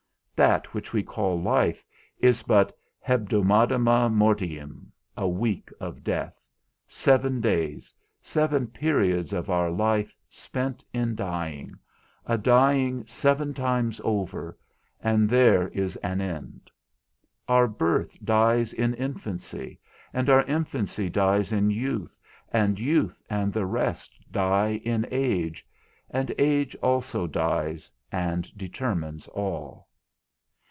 That which we call life is but hebdomada mortium, a week of death, seven days, seven periods of our life spent in dying, a dying seven times over; and there is an end. Our birth dies in infancy, and our infancy dies in youth, and youth and the rest die in age, and age also dies and determines all.